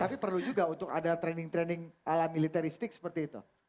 tapi perlu juga untuk ada training training ala militaristik seperti itu